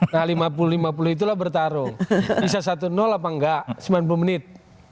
nah lima puluh lima puluh itulah bertarung bisa satu apa enggak sembilan puluh menit